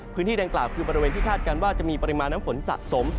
พื้นที่ดังกล่าวคือบริเวณที่คาดการณ์ว่าจะมีปริมาณน้ำฝนสะสม